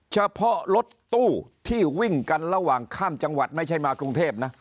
เฉพาะรถตู้ที่วิ่งกันระหว่างข้ามจังหวัดไม่ใช่มากรุงเทพนะ